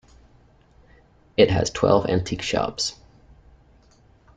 It has twelve antique shops.